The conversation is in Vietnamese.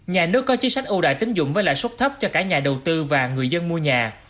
nhà nước có chính sách ưu đại tính dụng với lãi suất thấp cho cả nhà đầu tư và người dân mua nhà